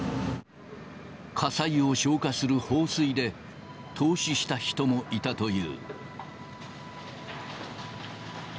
火災を消火する放水で凍死した人もいたという。